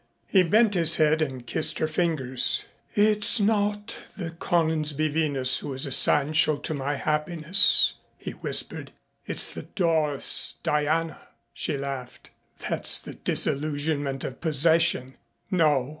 He bent his head and kissed her fingers. "It is not the Coningsby Venus who is essential to my happiness," he whispered. "It's the Doris Diana." She laughed. "That's the disillusionment of possession." "No.